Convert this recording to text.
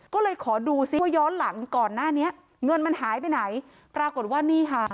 ก็เลยขอดูซิว่าย้อนหลังก่อนหน้านี้เงินมันหายไปไหน